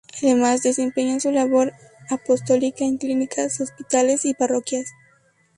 Además, desempeñan su labor apostólica en clínicas, hospitales y parroquias.